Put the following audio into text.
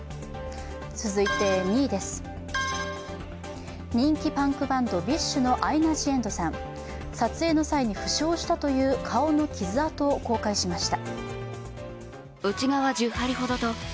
続いて２位です、人気パンクバンドＢｉＳＨのアイナ・ジ・エンドさん、撮影の際に負傷したという顔の傷痕を公開しました。